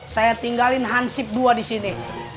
saya tinggalin hansip dua di sini